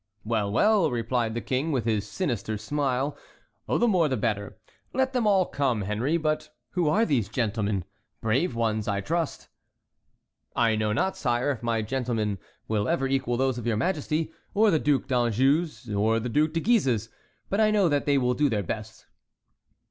"Well, well," replied the King, with his sinister smile, "the more the better; let them all come, Henry. But who are these gentlemen?—brave ones, I trust." "I know not, sire, if my gentlemen will ever equal those of your Majesty, or the Duc d'Anjou's, or the Duc de Guise's, but I know that they will do their best."